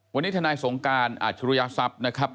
วันนี้ทนายสงการอาจรุยทรัพย์นะครับ